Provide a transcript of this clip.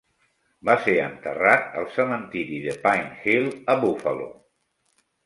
Va ser enterrat al cementiri de Pine Hill a Buffalo.